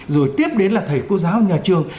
rồi tiếp đến là thầy cô giáo nhà trường